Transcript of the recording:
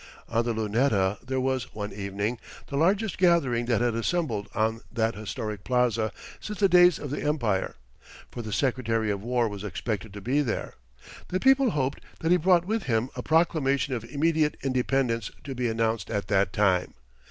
On the Luneta there was, one evening, the largest gathering that had assembled on that historic plaza since the days of the "Empire," for the Secretary of War was expected to be there. The people hoped that he brought with him a proclamation of immediate independence to be announced at that time.